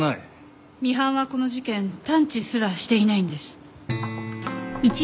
ミハンはこの事件探知すらしていないんです。